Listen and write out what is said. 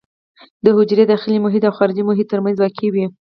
د حجرې داخلي محیط او خارجي محیط ترمنځ واقع وي.